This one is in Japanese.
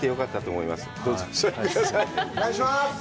お願いします。